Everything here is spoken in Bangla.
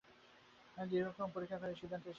আমি দীর্ঘ দিন পরীক্ষা করে এই সিদ্ধান্তে এসেছি।